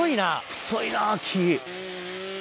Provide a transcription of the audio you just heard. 太いな木。